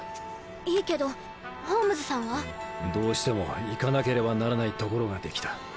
いいけどホームズさんは？どうしても行かなければならない所が出来た。